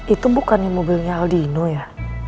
itu bukan nih mobilnya aldino ya